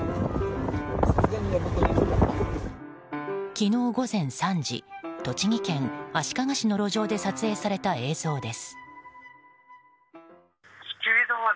昨日午前３時栃木県足利市の路上で撮影された映像です。